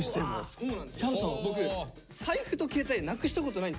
そうなんです